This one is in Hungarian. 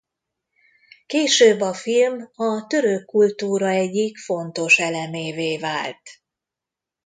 Később a film a török kultúra egyik fontos elemévé vált.